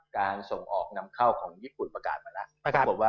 การส่งออกนำเข้าของญี่ปุ่นประกาศมาแล้ว